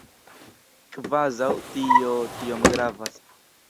Kvazaŭ tio tiom gravas.